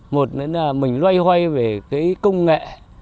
một là mình loay hoay về cái công nghệ